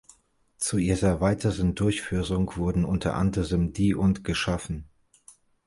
Zu ihrer weiteren Durchführung wurden unter anderem die und geschaffen.